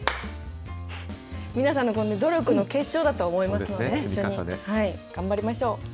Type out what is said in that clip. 皆さんの努力の結晶だと思いますので、頑張りましょう。